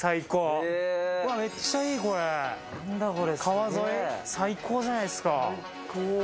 川沿い最高じゃないですか。